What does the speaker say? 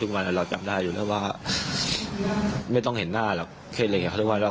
ทุกวันเราก็จำได้อยู่ไม่ต้องเห็นหน้าหรอกเคลลิกาก็ไหรเขามาเราครับ